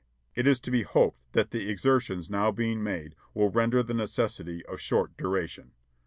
It is to be hoped that the exertions now being made will render the necessity of short duration.